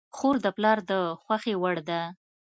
خور د پلار د خوښې وړ ده.